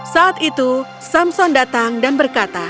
saat itu samson datang dan berkata